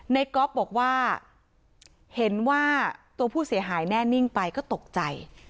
ก๊อฟบอกว่าเห็นว่าตัวผู้เสียหายแน่นิ่งไปก็ตกใจ